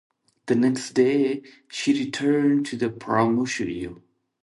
The next day, she returned to Paramushiro.